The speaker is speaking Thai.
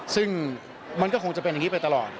ซึ่งมันก็คงจะเป็นอย่างนี้ไปตลอด